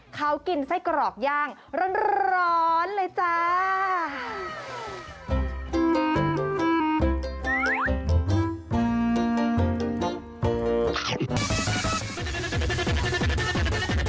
เขากินไส้กรอกย่างร้อนเลยจ้า